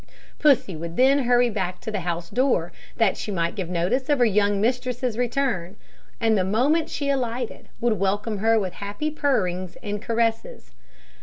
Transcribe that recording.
Pussy would then hurry back to the house door, that she might give notice of her young mistress's return, and the moment she alighted would welcome her with happy purrings and caresses.